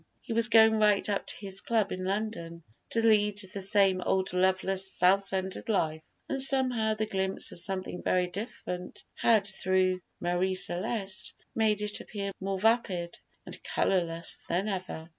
He was going right up to his club in London, to lead the same old loveless, self centred life, and somehow the glimpse of something very different he had had through Marie Celeste made it appear more vapid and colorless than ever.